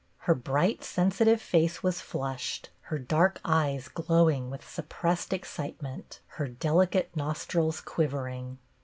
Her bright, sensi tive face was flushed, her dark eyes glowing with suppressed excitement, her delicate nostrils quivering.